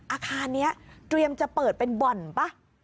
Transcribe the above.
อาคารนี้เตรียมจะเปิดเป็นบ่อนป่ะ